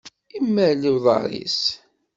Imal uḍar-is.